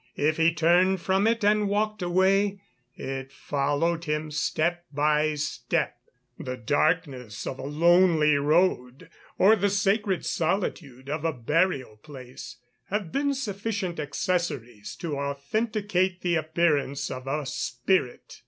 If he turned from it and walked away, it followed him, step by step. The darkness of a lonely road, or the sacred solitude of a burial place, have been sufficient accessories to authenticate the appearance of a spirit.